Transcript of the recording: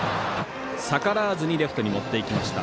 逆らわずにレフトに持っていきました。